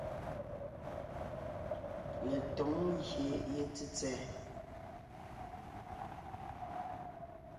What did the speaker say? Letǒŋ ngyè ye tsètsɛ̀ɛ.